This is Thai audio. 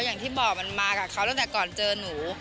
อย่างที่บอกมันมากับเขาตั้งแต่ก่อนเจอหนู